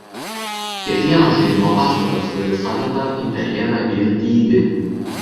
Kiekvienas žaidimo pastatas turi savitą interjerą ir dydį.